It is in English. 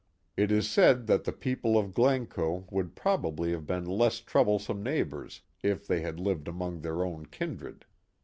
It is said that the people of Glencoe would probably have been less trouble some neighbors if they had lived among iheir own kindred.